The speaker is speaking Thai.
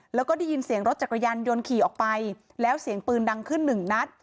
แล้วก็ได้ยินเสียงรถจักรยานยนต์ขี่ออกไปแล้วเสียงปืนดังขึ้นหนึ่งนัด